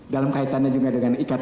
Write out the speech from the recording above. dalam kaitannya juga dengan ikat